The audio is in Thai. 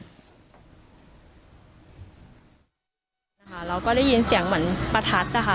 เราก็ได้ยินเสียงเหมือนประทัดนะคะ